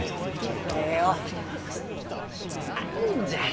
何じゃあ？